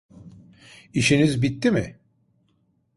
İşiniz bitti mi?